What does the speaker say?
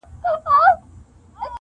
o خو د هر چا ذهن کي درد پاته وي,